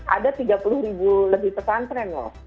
ada tiga puluh ribu lebih pesantren loh